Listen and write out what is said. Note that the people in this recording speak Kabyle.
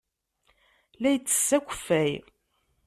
La yettess akeffay.